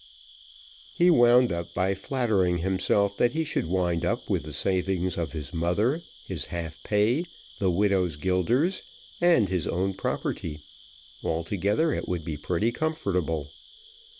He wound up by flattering himself that he should wind up with the savings of his mother, his half pay, the widow's guilders, and his own property, altogether it would be pretty comfortable.